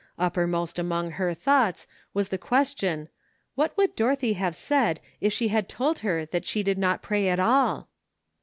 Uppermost among her thoughts was the question, What would Dorothy have said if she had told her that she did not pray at all?